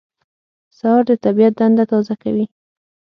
سهار د طبیعت دنده تازه کوي.